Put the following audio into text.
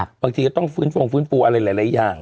บางทีก็ต้องฟื้นฟงฟื้นฟูอะไรหลายอย่าง